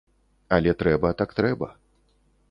Але трэба, так трэба.